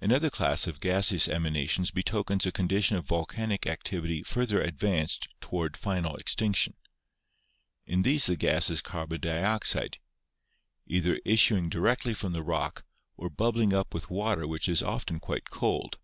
Another class of gaseous emanations betokens a condi tion of volcanic activity further advanced toward final extinction. In these the gas is carbon dioxide, either issu n6 GEOLOGY ing directly from the rock or bubbling up with water which is often quite cold.